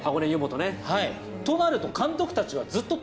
となると監督たちはずっとテ